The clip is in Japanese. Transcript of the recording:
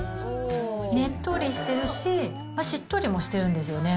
ねっとりしてるし、しっとりもしてるんですよね。